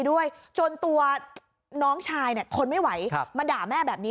ด้วยจนตัวน้องชายเนี่ยทนไม่ไหวมาด่าแม่แบบนี้